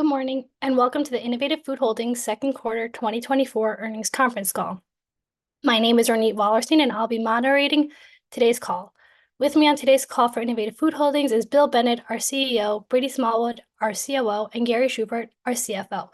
Good morning, and welcome to the Innovative Food Holdings Q2 2024 earnings conference call. My name is Ronit Wallerstein, and I'll be moderating today's call. With me on today's call for Innovative Food Holdings is Bill Bennett, our CEO, Brady Smallwood, our COO, and Gary Schubert, our CFO.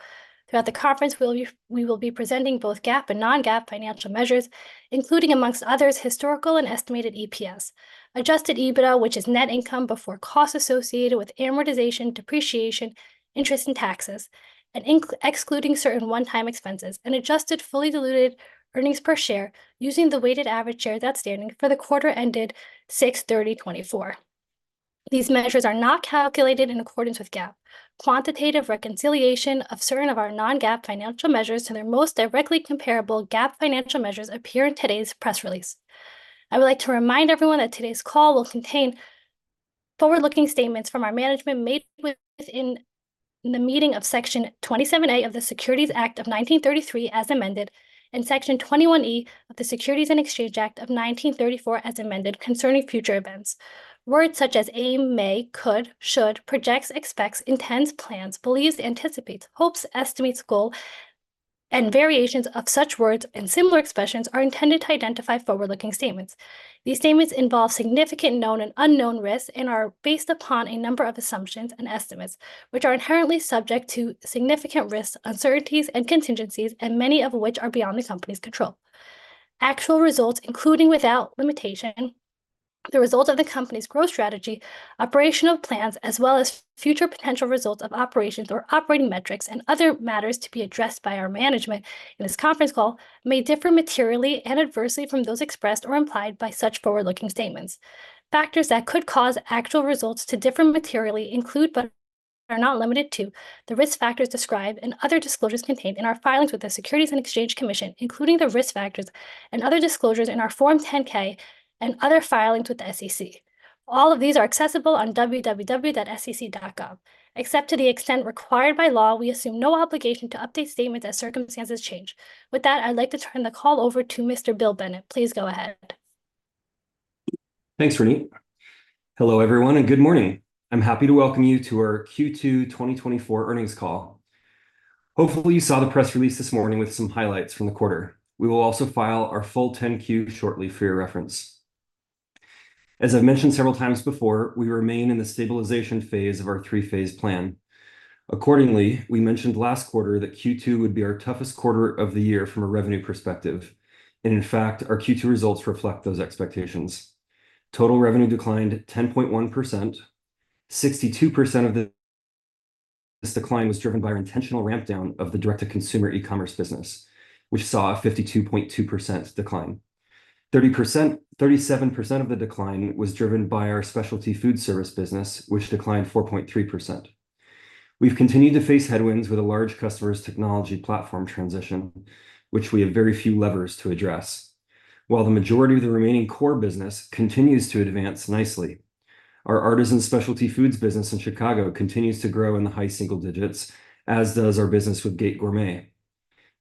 Throughout the conference, we will be presenting both GAAP and non-GAAP financial measures, including, among others, historical and estimated EPS, Adjusted EBITDA, which is net income before costs associated with amortization, depreciation, interest and taxes, and excluding certain one-time expenses, and adjusted fully diluted earnings per share using the weighted average shares outstanding for the quarter ended June 30, 2024. These measures are not calculated in accordance with GAAP. Quantitative reconciliation of certain of our non-GAAP financial measures to their most directly comparable GAAP financial measures appear in today's press release. I would like to remind everyone that today's call will contain forward-looking statements from our management made within the meaning of Section 27A of the Securities Act of 1933, as amended, and Section 21E of the Securities and Exchange Act of 1934, as amended, concerning future events. Words such as aim, may, could, should, projects, expects, intends, plans, believes, anticipates, hopes, estimates, goal, and variations of such words and similar expressions are intended to identify forward-looking statements. These statements involve significant known and unknown risks and are based upon a number of assumptions and estimates, which are inherently subject to significant risks, uncertainties, and contingencies, and many of which are beyond the company's control. Actual results, including, without limitation, the results of the company's growth strategy, operational plans, as well as future potential results of operations or operating metrics and other matters to be addressed by our management in this conference call, may differ materially and adversely from those expressed or implied by such forward-looking statements. Factors that could cause actual results to differ materially include, but are not limited to, the risk factors described and other disclosures contained in our filings with the Securities and Exchange Commission, including the risk factors and other disclosures in our Form 10-K and other filings with the SEC. All of these are accessible on www.sec.gov. Except to the extent required by law, we assume no obligation to update statements as circumstances change. With that, I'd like to turn the call over to Mr. Bill Bennett. Please go ahead. Thanks, Ronit. Hello, everyone, and good morning. I'm happy to welcome you to our Q2 2024 earnings call. Hopefully, you saw the press release this morning with some highlights from the quarter. We will also file our full 10-Q shortly for your reference. As I've mentioned several times before, we remain in the stabilization phase of our three-phase plan. Accordingly, we mentioned last quarter that Q2 would be our toughest quarter of the year from a revenue perspective, and in fact, our Q2 results reflect those expectations. Total revenue declined 10.1%. 62% of this decline was driven by our intentional ramp down of the direct-to-consumer e-commerce business, which saw a 52.2% decline. 30%-37% of the decline was driven by our specialty food service business, which declined 4.3%. We've continued to face headwinds with a large customer's technology platform transition, which we have very few levers to address. While the majority of the remaining core business continues to advance nicely, our Artisan Specialty Foods business in Chicago continues to grow in the high single digits, as does our business with gategourmet.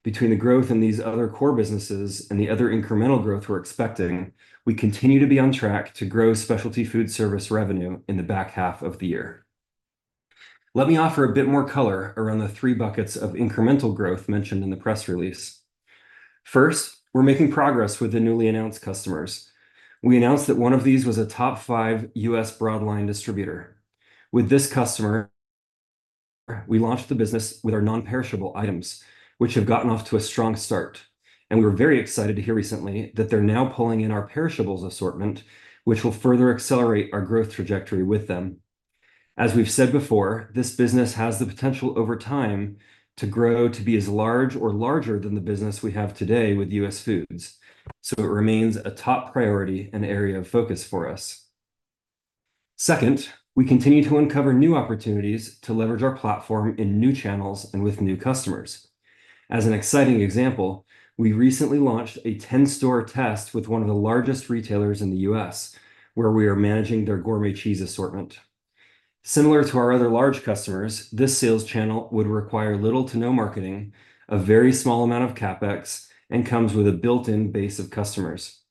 Between the growth in these other core businesses and the other incremental growth we're expecting, we continue to be on track to grow specialty food service revenue in the back half of the year. Let me offer a bit more color around the three buckets of incremental growth mentioned in the press release. First, we're making progress with the newly announced customers. We announced that one of these was a top-five U.S. broadline distributor. With this customer, we launched the business with our non-perishable items, which have gotten off to a strong start, and we were very excited to hear recently that they're now pulling in our perishables assortment, which will further accelerate our growth trajectory with them. As we've said before, this business has the potential over time to grow to be as large or larger than the business we have today with US Foods, so it remains a top priority and area of focus for us. Second, we continue to uncover new opportunities to leverage our platform in new channels and with new customers. As an exciting example, we recently launched a 10-store test with one of the largest retailers in the U.S., where we are managing their gourmet cheese assortment. Similar to our other large customers, this sales channel would require little to no marketing, a very small amount of CapEx, and comes with a built-in base of customers.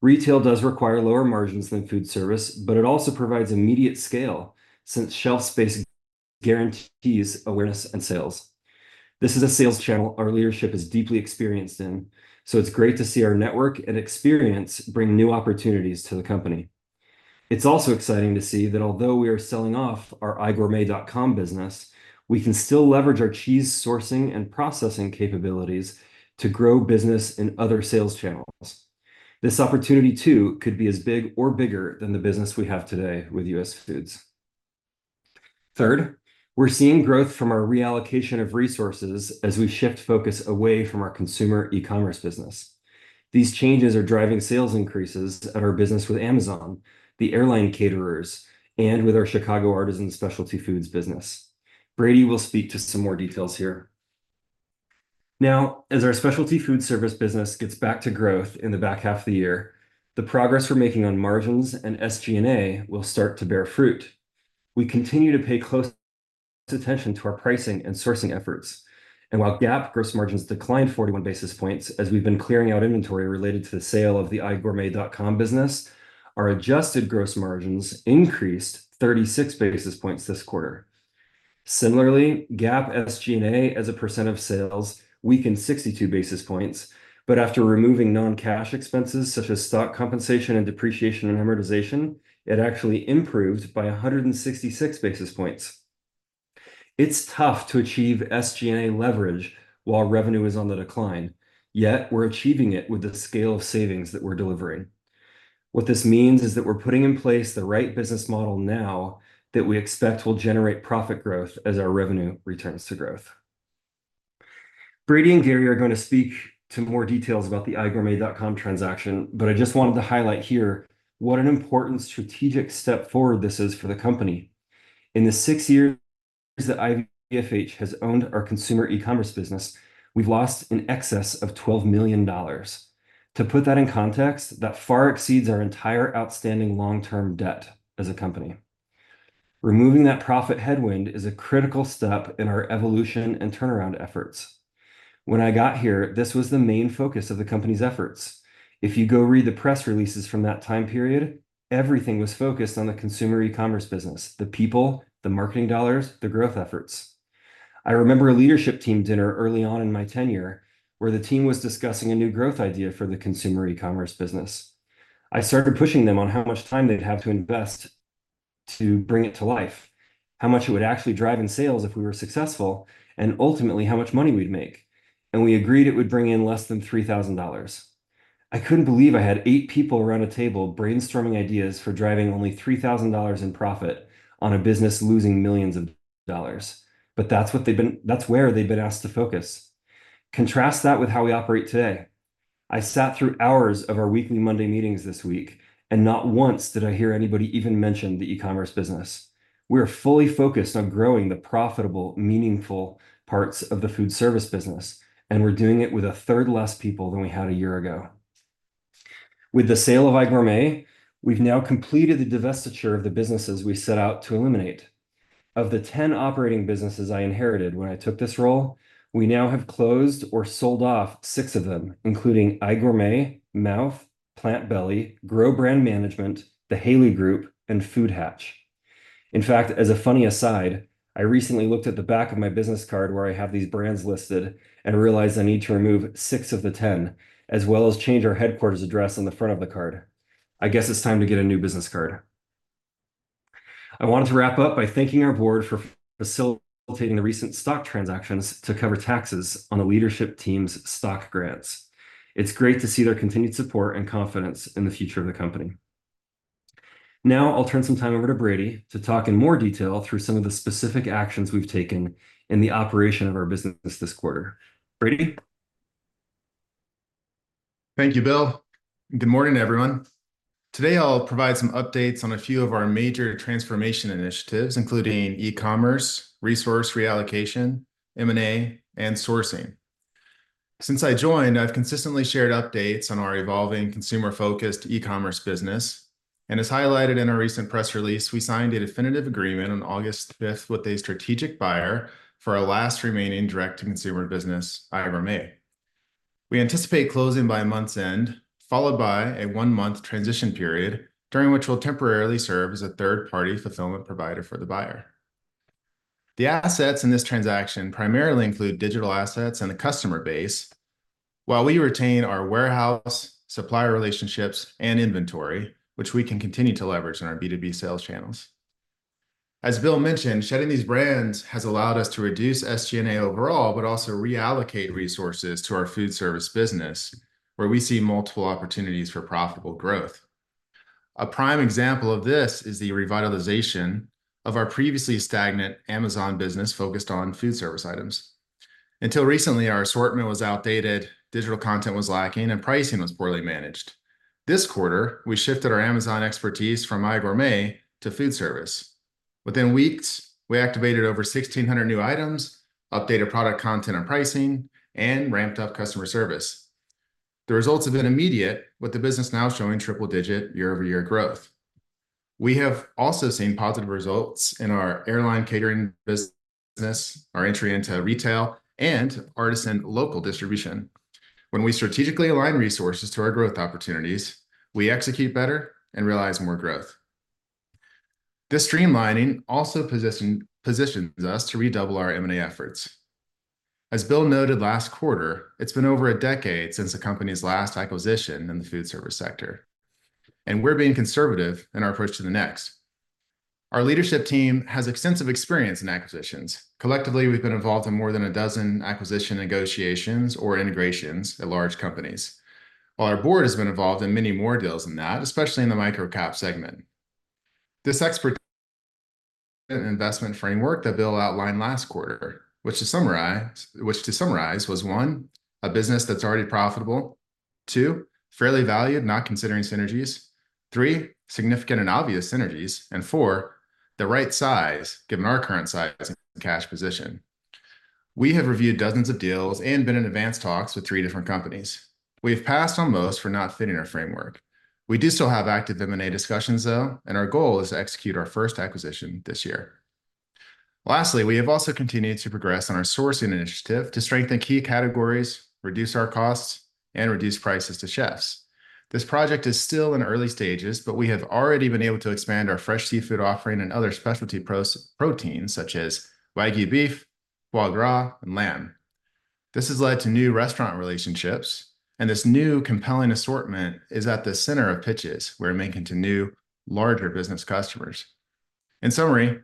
Retail does require lower margins than food service, but it also provides immediate scale since shelf space guarantees awareness and sales. This is a sales channel our leadership is deeply experienced in, so it's great to see our network and experience bring new opportunities to the company. It's also exciting to see that although we are selling off our iGourmet.com business, we can still leverage our cheese sourcing and processing capabilities to grow business in other sales channels. This opportunity, too, could be as big or bigger than the business we have today with US Foods. Third, we're seeing growth from our reallocation of resources as we shift focus away from our consumer e-commerce business. These changes are driving sales increases at our business with Amazon, the airline caterers, and with our Chicago Artisan Specialty Foods business. Brady will speak to some more details here. Now, as our specialty food service business gets back to growth in the back half of the year, the progress we're making on margins and SG&A will start to bear fruit. We continue to pay close attention to our pricing and sourcing efforts, and while GAAP gross margins declined 41 basis points as we've been clearing out inventory related to the sale of the iGourmet.com business, our adjusted gross margins increased 36 basis points this quarter. Similarly, GAAP SG&A as a percent of sales weakened 62 basis points, but after removing non-cash expenses, such as stock compensation and depreciation and amortization, it actually improved by 166 basis points. It's tough to achieve SG&A leverage while revenue is on the decline, yet we're achieving it with the scale of savings that we're delivering. What this means is that we're putting in place the right business model now that we expect will generate profit growth as our revenue returns to growth. Brady and Gary are going to speak to more details about the iGourmet.com transaction, but I just wanted to highlight here what an important strategic step forward this is for the company. In the six years that IFH has owned our consumer e-commerce business, we've lost in excess of $12 million. To put that in context, that far exceeds our entire outstanding long-term debt as a company. Removing that profit headwind is a critical step in our evolution and turnaround efforts. When I got here, this was the main focus of the company's efforts. If you go read the press releases from that time period, everything was focused on the consumer e-commerce business, the people, the marketing dollars, the growth efforts. I remember a leadership team dinner early on in my tenure, where the team was discussing a new growth idea for the consumer e-commerce business. I started pushing them on how much time they'd have to invest to bring it to life, how much it would actually drive in sales if we were successful, and ultimately, how much money we'd make, and we agreed it would bring in less than $3,000. I couldn't believe I had 8 people around a table brainstorming ideas for driving only $3,000 in profit on a business losing millions of dollars, but that's where they've been asked to focus. Contrast that with how we operate today. I sat through hours of our weekly Monday meetings this week, and not once did I hear anybody even mention the e-commerce business. We're fully focused on growing the profitable, meaningful parts of the food service business, and we're doing it with a third less people than we had a year ago. With the sale of iGourmet, we've now completed the divestiture of the businesses we set out to eliminate. Of the 10 operating businesses I inherited when I took this role, we now have closed or sold off six of them, including iGourmet, Mouth, PlantBelly, Grow Brand Management, The Haley Group, and Food Hatch. In fact, as a funny aside, I recently looked at the back of my business card where I have these brands listed and realized I need to remove six of the 10, as well as change our headquarters address on the front of the card. I guess it's time to get a new business card. I wanted to wrap up by thanking our board for facilitating the recent stock transactions to cover taxes on the leadership team's stock grants. It's great to see their continued support and confidence in the future of the company. Now, I'll turn some time over to Brady to talk in more detail through some of the specific actions we've taken in the operation of our business this quarter. Brady? Thank you, Bill. Good morning, everyone. Today, I'll provide some updates on a few of our major transformation initiatives, including e-commerce, resource reallocation, M&A, and sourcing. Since I joined, I've consistently shared updates on our evolving, consumer-focused e-commerce business, and as highlighted in our recent press release, we signed a definitive agreement on August fifth with a strategic buyer for our last remaining direct-to-consumer business, iGourmet. We anticipate closing by month's end, followed by a one-month transition period, during which we'll temporarily serve as a third-party fulfillment provider for the buyer. The assets in this transaction primarily include digital assets and a customer base, while we retain our warehouse, supplier relationships, and inventory, which we can continue to leverage in our B2B sales channels. As Bill mentioned, shedding these brands has allowed us to reduce SG&A overall, but also reallocate resources to our food service business, where we see multiple opportunities for profitable growth. A prime example of this is the revitalization of our previously stagnant Amazon business focused on food service items. Until recently, our assortment was outdated, digital content was lacking, and pricing was poorly managed. This quarter, we shifted our Amazon expertise from iGourmet to food service. Within weeks, we activated over 1,600 new items, updated product content and pricing, and ramped up customer service. The results have been immediate, with the business now showing triple-digit year-over-year growth. We have also seen positive results in our airline catering business, our entry into retail, and artisan local distribution. When we strategically align resources to our growth opportunities, we execute better and realize more growth. This streamlining also positions us to redouble our M&A efforts. As Bill noted last quarter, it's been over a decade since the company's last acquisition in the food service sector, and we're being conservative in our approach to the next. Our leadership team has extensive experience in acquisitions. Collectively, we've been involved in more than a dozen acquisition negotiations or integrations at large companies, while our board has been involved in many more deals than that, especially in the microcap segment. This expertise investment framework that Bill outlined last quarter, which to summarize was, one, a business that's already profitable. Two, fairly valued, not considering synergies. Three significant and obvious synergies. And four, the right size, given our current size and cash position. We have reviewed dozens of deals and been in advanced talks with three different companies. We have passed on most for not fitting our framework. We do still have active M&A discussions, though, and our goal is to execute our first acquisition this year. Lastly, we have also continued to progress on our sourcing initiative to strengthen key categories, reduce our costs, and reduce prices to chefs. This project is still in early stages, but we have already been able to expand our fresh seafood offering and other specialty proteins, such as Wagyu beef, foie gras, and lamb. This has led to new restaurant relationships, and this new compelling assortment is at the center of pitches we're making to new, larger business customers. In summary,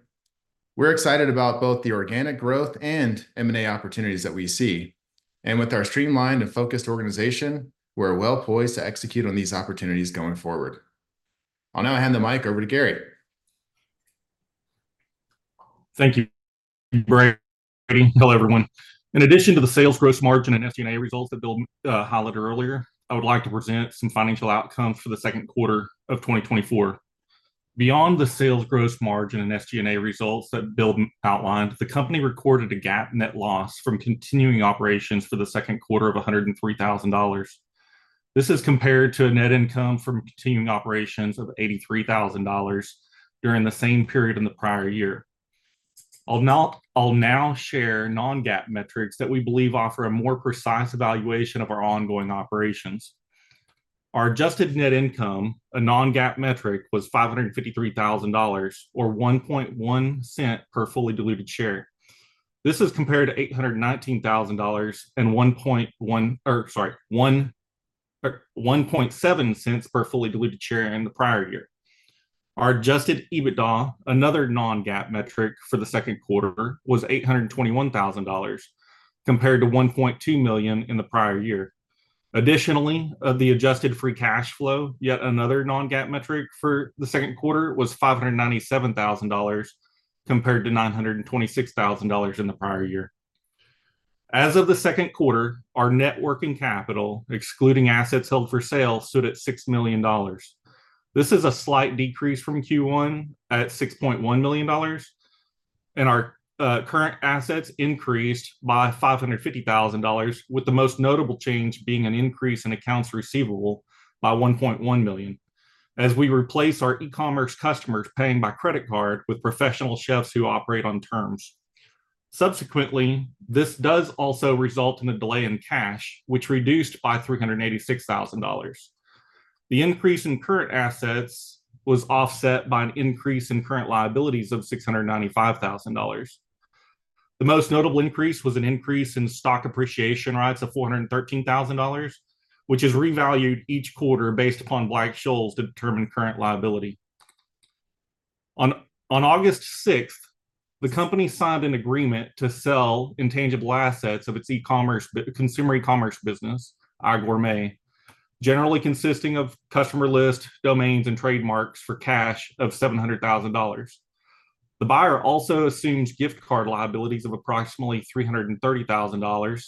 we're excited about both the organic growth and M&A opportunities that we see, and with our streamlined and focused organization, we're well-poised to execute on these opportunities going forward. I'll now hand the mic over to Gary. Thank you, Brady. Hello, everyone. In addition to the sales growth margin and SG&A results that Bill highlighted earlier, I would like to present some financial outcomes for the Q2 of 2024. Beyond the sales growth margin and SG&A results that Bill outlined, the company recorded a GAAP net loss from continuing operations for the Q2 of $103,000. This is compared to a net income from continuing operations of $83,000 during the same period in the prior year. I'll now share non-GAAP metrics that we believe offer a more precise evaluation of our ongoing operations. Our adjusted net income, a non-GAAP metric, was $553,000, or $0.011 per fully diluted share. This is compared to $819,000 or, sorry, $0.017 per fully diluted share in the prior year. Our Adjusted EBITDA, another non-GAAP metric for the Q2, was $821,000, compared to $1.2 million in the prior year. Additionally, the adjusted free cash flow, yet another non-GAAP metric for the Q2, was $597,000, compared to $926,000 in the prior year. As of the Q2, our net working capital, excluding assets held for sale, stood at $6 million. This is a slight decrease from Q1 at $6.1 million, and our current assets increased by $550,000, with the most notable change being an increase in accounts receivable by $1.1 million, as we replace our e-commerce customers paying by credit card with professional chefs who operate on terms. Subsequently, this does also result in a delay in cash, which reduced by $386,000. The increase in current assets was offset by an increase in current liabilities of $695,000. The most notable increase was an increase in stock appreciation rights of $413,000, which is revalued each quarter based upon Black-Scholes to determine current liability. On August 6th, the company signed an agreement to sell intangible assets of its e-commerce, consumer e-commerce business, iGourmet, generally consisting of customer lists, domains, and trademarks for cash of $700,000. The buyer also assumes gift card liabilities of approximately $330,000,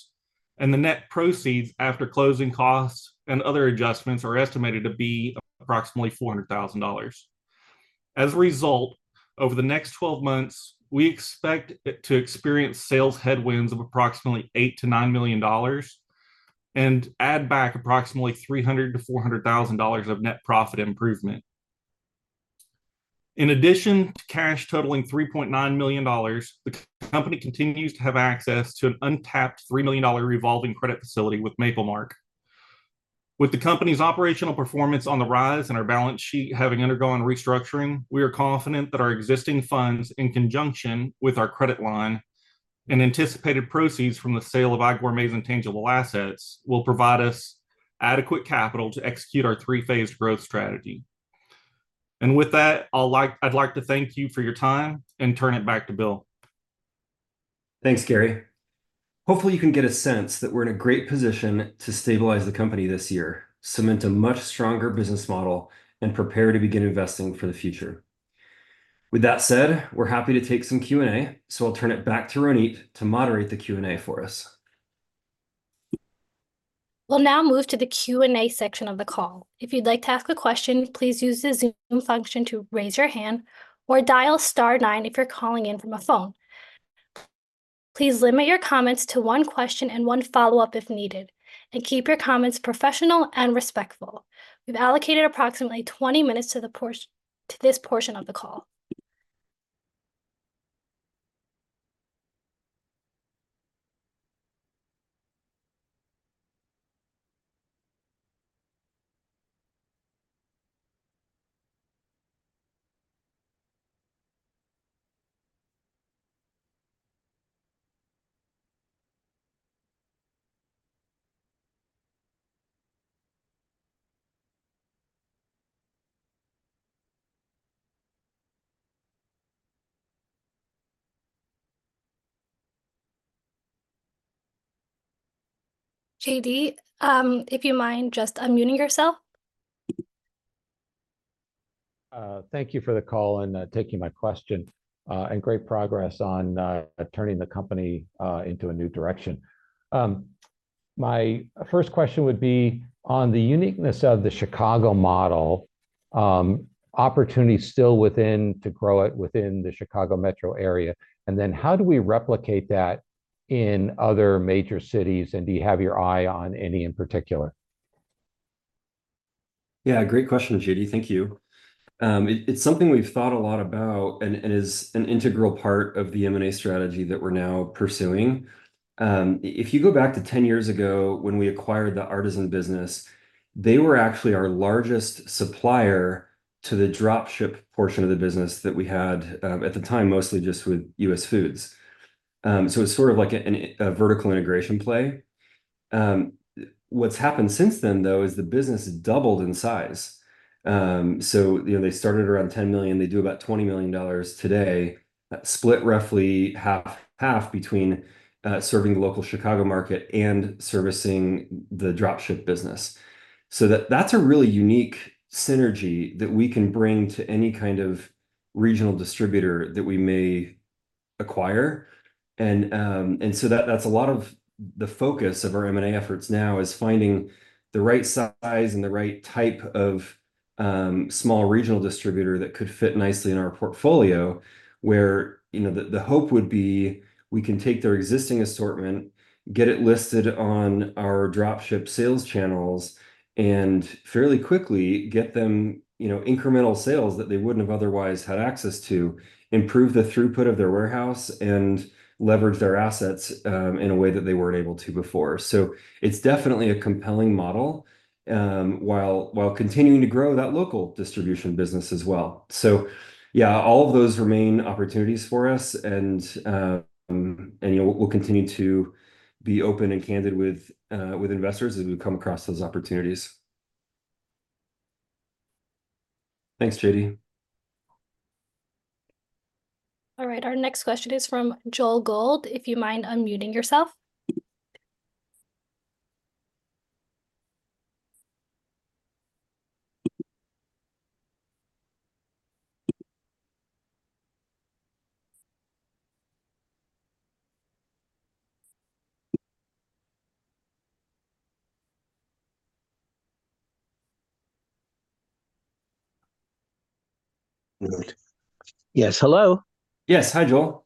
and the net proceeds after closing costs and other adjustments are estimated to be approximately $400,000. As a result, over the next twelve months, we expect it to experience sales headwinds of approximately $8 million-$9 million and add back approximately $300,000-$400,000 of net profit improvement. In addition to cash totaling $3.9 million, the company continues to have access to an untapped $3 million revolving credit facility with MapleMark. With the company's operational performance on the rise and our balance sheet having undergone restructuring, we are confident that our existing funds, in conjunction with our credit line and anticipated proceeds from the sale of our iGourmet's intangible assets, will provide us adequate capital to execute our three-phased growth strategy. And with that, I'd like to thank you for your time and turn it back to Bill. Thanks, Gary. Hopefully, you can get a sense that we're in a great position to stabilize the company this year, cement a much stronger business model, and prepare to begin investing for the future. With that said, we're happy to take some Q&A, so I'll turn it back to Ronit to moderate the Q&A for us. We'll now move to the Q&A section of the call. If you'd like to ask a question, please use the Zoom function to raise your hand, or dial star nine if you're calling in from a phone. Please limit your comments to one question and one follow-up if needed, and keep your comments professional and respectful. We've allocated approximately 20 minutes to this portion of the call. J.D., if you mind just unmuting yourself. Thank you for the call and taking my question, and great progress on turning the company into a new direction. My first question would be on the uniqueness of the Chicago model, opportunities still within to grow it within the Chicago metro area, and then how do we replicate that in other major cities, and do you have your eye on any in particular? Yeah, great question, J.D. Thank you. It's something we've thought a lot about and is an integral part of the M&A strategy that we're now pursuing. If you go back to 10 years ago, when we acquired the artisan business, they were actually our largest supplier to the drop ship portion of the business that we had at the time, mostly just with US Foods. So it's sort of like a vertical integration play. What's happened since then, though, is the business has doubled in size. So, you know, they started around $10 million, they do about $20 million today, split roughly half, half between serving the local Chicago market and servicing the drop ship business. So that's a really unique synergy that we can bring to any kind of regional distributor that we may acquire. And so that's a lot of the focus of our M&A efforts now, is finding the right size and the right type of small regional distributor that could fit nicely in our portfolio, where, you know, the hope would be we can take their existing assortment, get it listed on our drop ship sales channels, and fairly quickly get them, you know, incremental sales that they wouldn't have otherwise had access to, improve the throughput of their warehouse, and leverage their assets in a way that they weren't able to before. So it's definitely a compelling model while continuing to grow that local distribution business as well. So yeah, all of those remain opportunities for us, and you know, we'll continue to be open and candid with investors as we come across those opportunities. Thanks, J.D. All right, our next question is from Joel Gold. If you mind unmuting yourself? Yes, hello. Yes. Hi, Joel.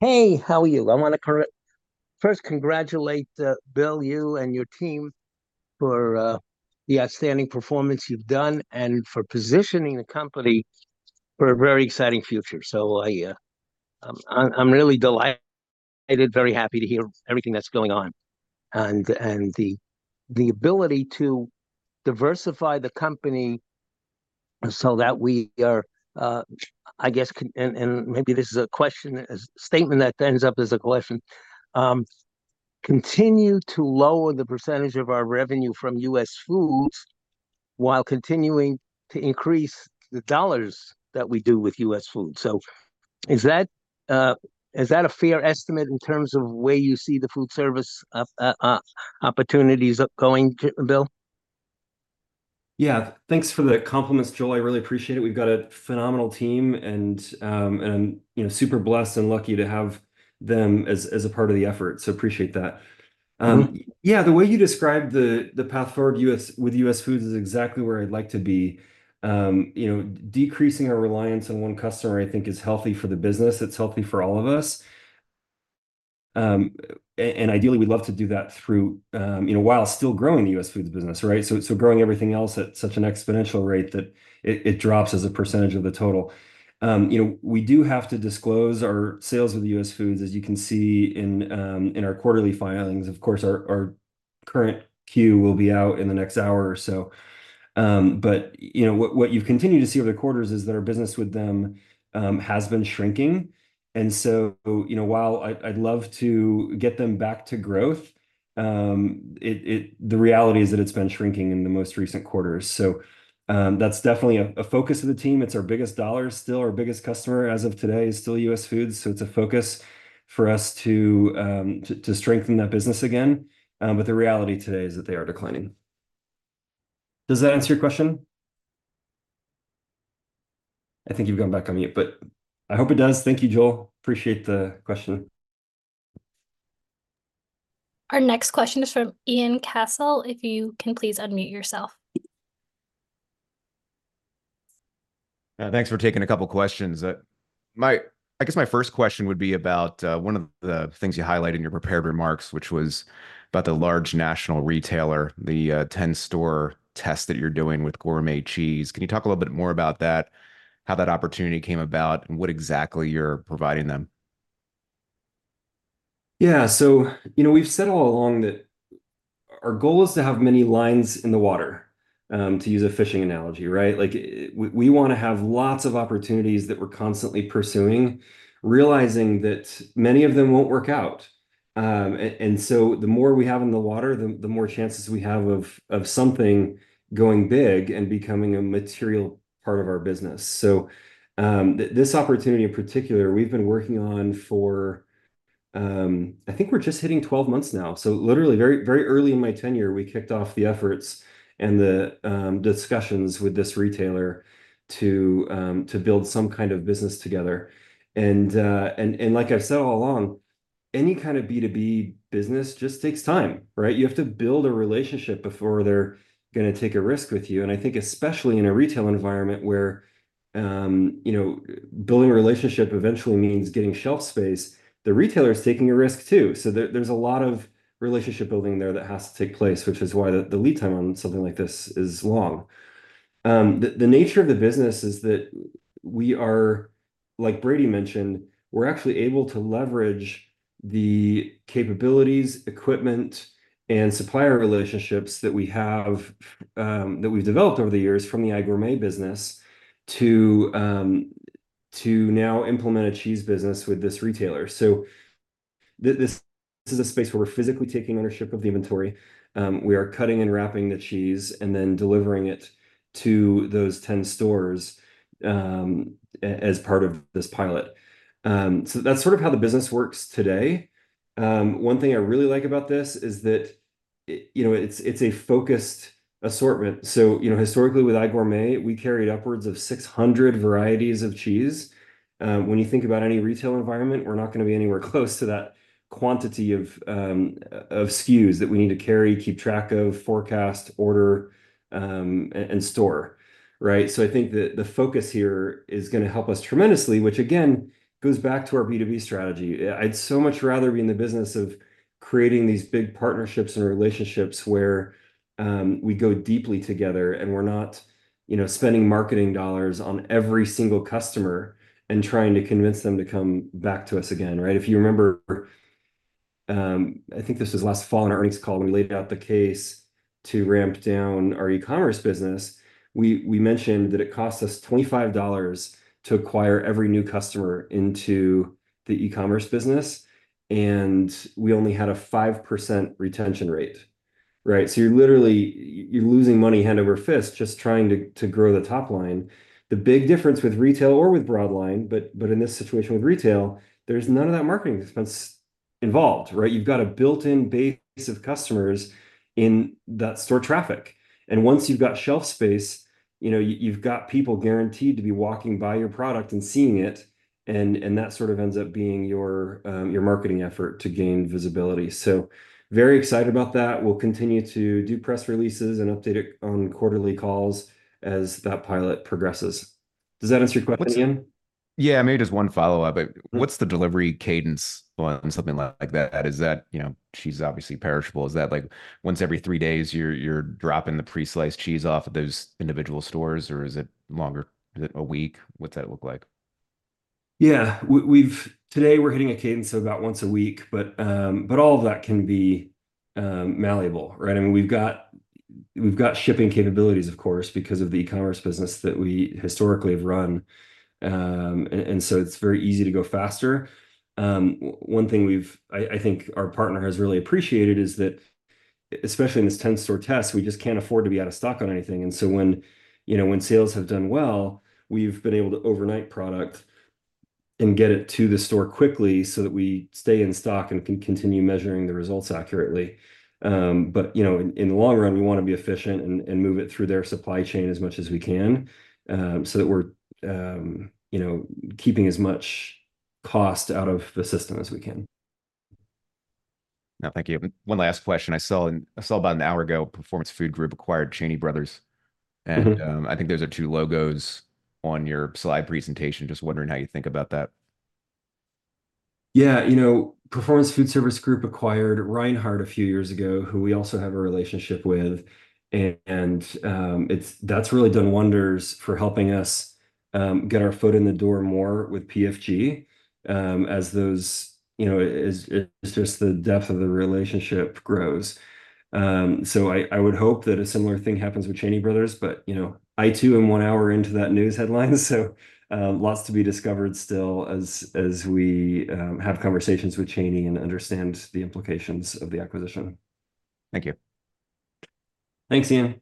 Hey, how are you? I wanna first congratulate, Bill, you and your team, for the outstanding performance you've done and for positioning the company for a very exciting future. So I, I'm really delighted, very happy to hear everything that's going on. And the ability to diversify the company so that we are continuing to lower the percentage of our revenue from US Foods, while continuing to increase the dollars that we do with US Foods. So, is that a fair estimate in terms of where you see the food service opportunities going, Bill? Yeah. Thanks for the compliments, Joel. I really appreciate it. We've got a phenomenal team, and I'm, you know, super blessed and lucky to have them as a part of the effort, so appreciate that. Yeah, the way you described the path forward with US Foods is exactly where I'd like to be. You know, decreasing our reliance on one customer, I think, is healthy for the business. It's healthy for all of us. And ideally, we'd love to do that through, you know, while still growing the US Foods business, right? So, growing everything else at such an exponential rate that it drops as a percentage of the total. You know, we do have to disclose our sales with US Foods, as you can see in our quarterly filings. Of course, our current queue will be out in the next hour or so. But you know, what you've continued to see over the quarters is that our business with them has been shrinking. You know, while I'd love to get them back to growth, the reality is that it's been shrinking in the most recent quarters. So, that's definitely a focus of the team. It's our biggest dollar still, our biggest customer as of today is still US Foods, so it's a focus for us to strengthen that business again. But the reality today is that they are declining. Does that answer your question? I think you've gone back on mute, but I hope it does. Thank you, Joel. Appreciate the question. Our next question is from Ian Cassel. If you can please unmute yourself. Thanks for taking a couple questions. My, I guess my first question would be about, one of the things you highlighted in your prepared remarks, which was about the large national retailer, the 10-store test that you're doing with gourmet cheese. Can you talk a little bit more about that, how that opportunity came about, and what exactly you're providing them? Yeah, so, you know, we've said all along that our goal is to have many lines in the water, to use a fishing analogy, right? Like, we wanna have lots of opportunities that we're constantly pursuing, realizing that many of them won't work out. And so the more we have in the water, the more chances we have of something going big and becoming a material part of our business. So, this opportunity in particular, we've been working on for, I think, we're just hitting 12 months now. So literally, very, very early in my tenure, we kicked off the efforts and the discussions with this retailer to build some kind of business together. And like I've said all along, any kind of B2B business just takes time, right? You have to build a relationship before they're gonna take a risk with you. And I think especially in a retail environment, where, you know, building a relationship eventually means getting shelf space, the retailer is taking a risk, too. So there, there's a lot of relationship building there that has to take place, which is why the, the lead time on something like this is long. The nature of the business is that we are, like Brady mentioned, we're actually able to leverage the capabilities, equipment, and supplier relationships that we have, that we've developed over the years from the iGourmet business to now implement a cheese business with this retailer. So this is a space where we're physically taking ownership of the inventory. We are cutting and wrapping the cheese, and then delivering it to those 10 stores, as part of this pilot. So that's sort of how the business works today. One thing I really like about this is that, you know, it's a focused assortment. So, you know, historically, with iGourmet, we carried upwards of 600 varieties of cheese. When you think about any retail environment, we're not gonna be anywhere close to that quantity of, of SKUs that we need to carry, keep track of, forecast, order, and store, right? So I think that the focus here is gonna help us tremendously, which again, goes back to our B2B strategy. I'd so much rather be in the business of creating these big partnerships and relationships where, we go deeply together, and we're not, you know, spending marketing dollars on every single customer and trying to convince them to come back to us again, right? If you remember, I think this was last fall in our earnings call, when we laid out the case to ramp down our e-commerce business, we mentioned that it costs us $25 to acquire every new customer into the e-commerce business, and we only had a 5% retention rate, right? So you're literally, you're losing money hand over fist, just trying to grow the top line. The big difference with retail or with broadline, but in this situation, with retail, there's none of that marketing expense involved, right? You've got a built-in base of customers in that store traffic. And once you've got shelf space, you know, you've got people guaranteed to be walking by your product and seeing it, and that sort of ends up being your marketing effort to gain visibility. So very excited about that. We'll continue to do press releases and update it on quarterly calls as that pilot progresses. Does that answer your question, Ian? Yeah, maybe just one follow-up. But what's the delivery cadence on something like that? Is that you know, cheese is obviously perishable. Is that, like, once every three days, you're dropping the pre-sliced cheese off at those individual stores, or is it longer than a week? What's that look like? Yeah. Today, we're hitting a cadence of about once a week, but all of that can be malleable, right? I mean, we've got, we've got shipping capabilities, of course, because of the e-commerce business that we historically have run. And so it's very easy to go faster. One thing I think our partner has really appreciated is that, especially in this 10-store test, we just can't afford to be out of stock on anything, and so when, you know, when sales have done well, we've been able to overnight product and get it to the store quickly so that we stay in stock and can continue measuring the results accurately. But, you know, in the long run, we wanna be efficient and move it through their supply chain as much as we can, so that we're, you know, keeping as much cost out of the system as we can. Now, thank you. One last question. I saw about an hour ago, Performance Food Group acquired Cheney Brothers- And, I think those are two logos on your slide presentation. Just wondering how you think about that. Yeah, you know, Performance Food Group acquired Reinhart a few years ago, who we also have a relationship with, and it's really done wonders for helping us get our foot in the door more with PFG, as those, you know, as just the depth of the relationship grows. So I would hope that a similar thing happens with Cheney Brothers, but, you know, I, too, am one hour into that news headline, so lots to be discovered still as we have conversations with Cheney and understand the implications of the acquisition. Thank you. Thanks, Ian.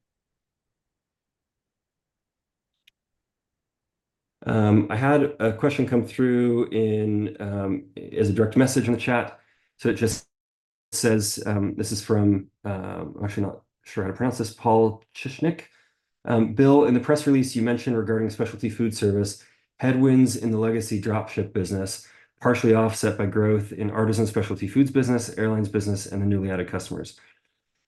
I had a question come through in, as a direct message in the chat, so it just says, this is from, I'm actually not sure how to pronounce this, Paul Kschinka. "Bill, in the press release you mentioned regarding specialty food service, headwinds in the legacy drop ship business, partially offset by growth in Artisan Specialty Foods business, airlines business, and the newly added customers.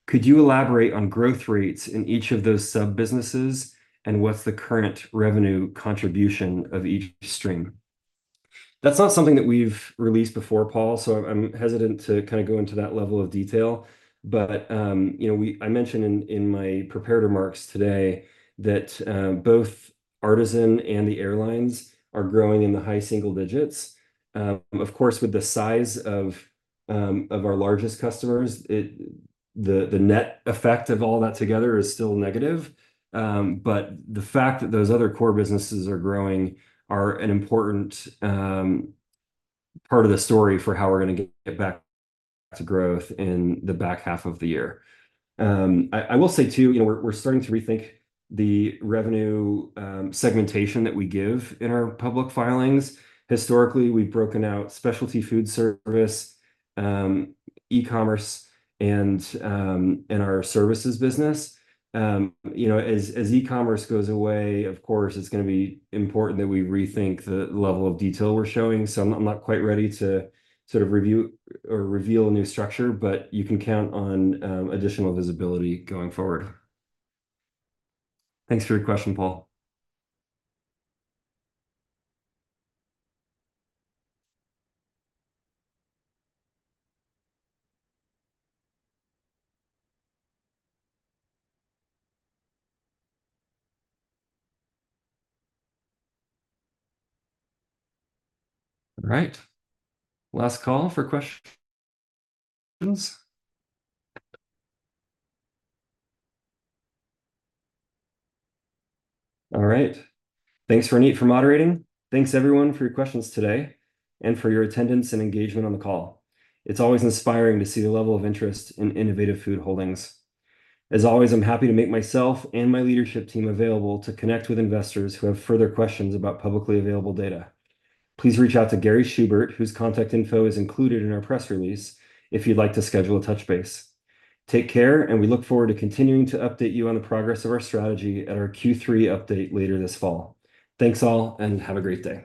Could you elaborate on growth rates in each of those sub-businesses, and what's the current revenue contribution of each stream?" That's not something that we've released before, Paul, so I'm hesitant to kinda go into that level of detail. But, you know, I mentioned in my prepared remarks today that both Artisan Specialty Foods and the airlines are growing in the high single digits. Of course, with the size of, of our largest customers, the net effect of all that together is still negative. But the fact that those other core businesses are growing are an important part of the story for how we're gonna get back to growth in the back half of the year. I will say too, you know, we're starting to rethink the revenue segmentation that we give in our public filings. Historically, we've broken out specialty food service, e-commerce, and our services business. You know, as e-commerce goes away, of course, it's gonna be important that we rethink the level of detail we're showing. So I'm not quite ready to sort of review or reveal a new structure, but you can count on additional visibility going forward. Thanks for your question, Paul. All right, last call for questions. All right. Thanks, Ronit, for moderating. Thanks, everyone, for your questions today, and for your attendance and engagement on the call. It's always inspiring to see the level of interest in Innovative Food Holdings. As always, I'm happy to make myself and my leadership team available to connect with investors who have further questions about publicly available data. Please reach out to Gary Schubert, whose contact info is included in our press release, if you'd like to schedule a touch base. Take care, and we look forward to continuing to update you on the progress of our strategy at our Q3 update later this fall. Thanks, all, and have a great day.